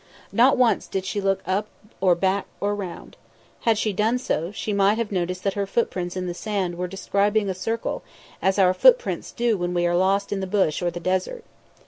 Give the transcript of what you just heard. Not once did she look up or back or round. Had she done so, she might have noticed that her footprints in the sand were describing a circle, as our footprints do when we are lost in the bush or the desert.